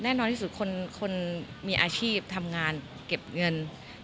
แน่นอนที่สุดคนมีอาชีพทำงานเก็บเงิน